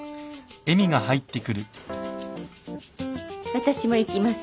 私も行きます。